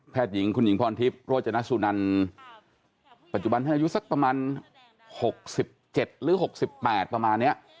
หญิงคุณหญิงพรทิพย์โรจนสุนันปัจจุบันท่านอายุสักประมาณ๖๗หรือ๖๘ประมาณนี้